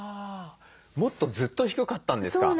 もっとずっと低かったんですか？